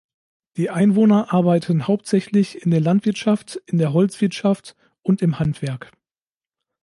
Die Einwohner arbeiten hauptsächlich in der Landwirtschaft, in der Holzwirtschaft und im Handwerk.